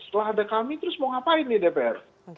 setelah ada kami terus mau ngapain nih dpr